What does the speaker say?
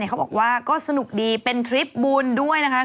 เขาบอกว่าก็สนุกดีเป็นทริปบุญด้วยนะคะ